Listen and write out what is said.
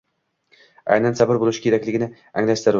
aynan sabr bo‘lishi kerakligini anglashi zarur.